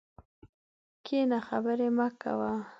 کښېنه خبري مه کوه!